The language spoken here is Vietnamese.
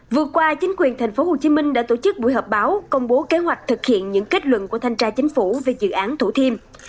vừa qua chính quyền tp hcm đã tổ chức buổi họp báo công bố kế hoạch thực hiện những kết luận của thanh tra chính phủ về dự án thủ thiêm